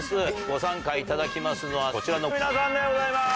ご参加いただきますのはこちらの皆さんでございます。